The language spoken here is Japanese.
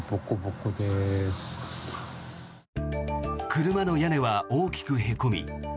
車の屋根は大きくへこみ